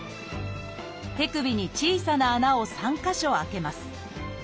手首に小さな穴を３か所あけます。